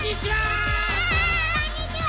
こんにちは！